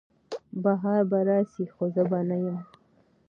بهار به راسي خو زه به نه یم